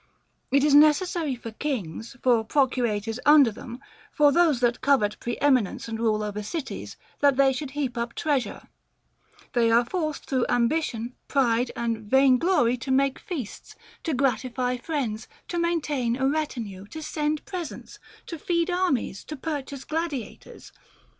It is necessary for kings, for pro curators under them, for those that covet pre eminence and rule over cities, that they should heap up treasure ; they are forced through ambition, pride, and vain glory to make feasts, to gratify friends, to maintain a retinue, to send presents, to feed armies, to purchase gladiators.